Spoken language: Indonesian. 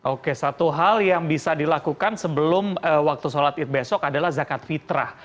oke satu hal yang bisa dilakukan sebelum waktu sholat id besok adalah zakat fitrah